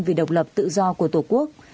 vì độc lập tự do của tổ quốc